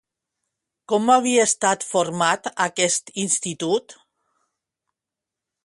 Com havia estat format aquest institut?